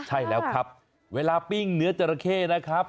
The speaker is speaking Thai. ใช่แล้วครับเวลาปิ้งเนื้อจราเข้นะครับ